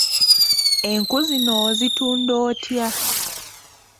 Enku zino ozitunda otya?